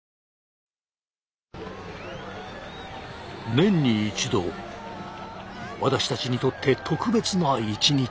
年に一度私たちにとって特別な一日。